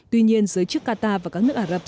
tuy nhiên giới chức qatar và các nước ả rập